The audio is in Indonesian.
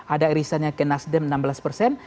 ada irisannya ke nasdem enam belas persen